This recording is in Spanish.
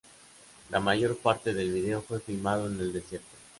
La mayor parte de el video fue filmado en el desierto.